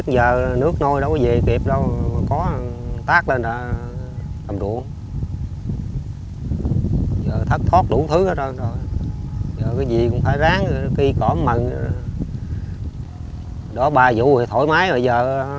giờ thất thoát đủ thứ hết rồi giờ cái gì cũng phải ráng khi có mặn đó ba vụ thì thoải mái rồi giờ